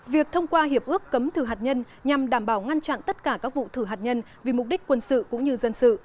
việc thông qua hiệp ước cấm thử hạt nhân nhằm đảm bảo ngăn chặn tất cả các vụ thử hạt nhân vì mục đích quân sự cũng như dân sự